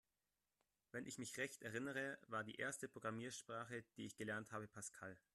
Wenn ich mich recht erinnere, war die erste Programmiersprache, die ich gelernt habe, Pascal.